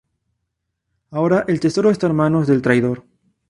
Ahora el tesoro está en manos del traidor.